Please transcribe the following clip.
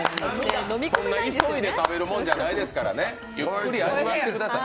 そんな急いで食べるもんじゃないですからね、ゆっくり味わってください。